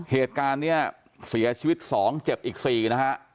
เหตุการณ์เนี่ยเสียชีวิต๒เจ็บอีก๔นะฮะ